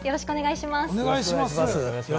よろしくお願いします。